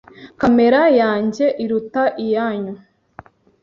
Kamera yanjye iruta iyanyu.